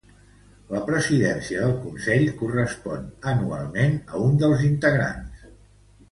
La presidència del Consell correspon anualment a un dels integrants.